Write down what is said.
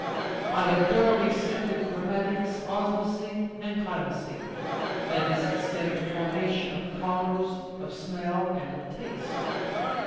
I have thoroughly sifted chromatics, osmosy, and chymosy that is to say, the formation of colours, of smell, and of taste."